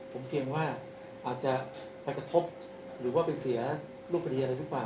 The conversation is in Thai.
ผมเขียนว่าอาจจะหรือว่าไปเสียลูกคดีอะไรหรือเปล่า